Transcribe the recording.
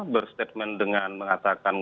berstatement dengan mengatakan